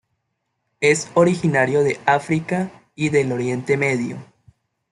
Es originario de África y del Oriente Medio.